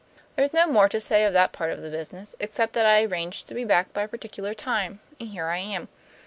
There's no more to say of that part of the business, except that I arranged to be back by a particular time; and here I am.